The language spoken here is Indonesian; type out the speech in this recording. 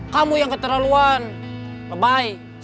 kamu yang keterlaluan bye bye